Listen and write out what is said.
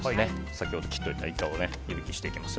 先ほど切っておいたイカを湯引きしていきます。